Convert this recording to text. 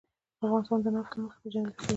افغانستان د نفت له مخې پېژندل کېږي.